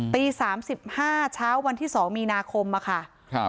ตี๓๕เช้าวันที่สมค่ะ